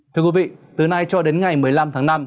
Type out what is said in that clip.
thưa quý vị từ nay cho đến ngày một mươi năm tháng năm